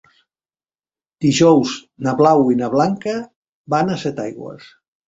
Dijous na Blau i na Blanca van a Setaigües.